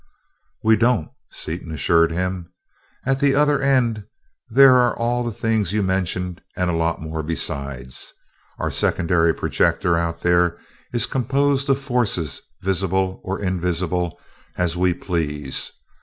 "We don't," Seaton assured him. "At the other end there are all the things you mentioned, and a lot more besides. Our secondary projector out there is composed of forces, visible or invisible, as we please.